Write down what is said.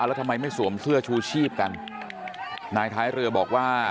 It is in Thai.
แล้วทำไมไม่สวมเสื้อชูชีพกันนายท้ายเรือบอกว่า